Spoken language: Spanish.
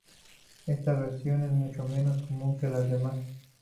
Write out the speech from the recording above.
Esta versión es mucho menos común que las demás.